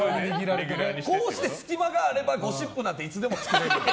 隙間があればゴシップなんていつでも作れる。